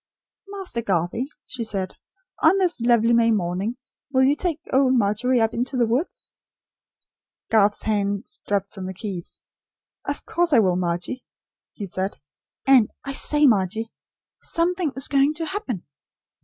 "Master Garthie," she said, "on this lovely May morning, will you take old Margery up into the woods?" Garth's hands dropped from the keys. "Of course I will, Margie," he said. "And, I say Margie, SOMETHING IS GOING TO HAPPEN."